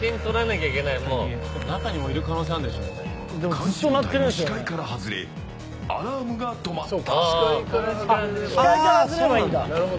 監視部隊の視界から外れアラームが止まった。